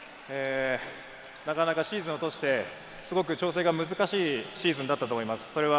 なかなかシーズンを通して、すごく調整が難しいシーズンだったと思います。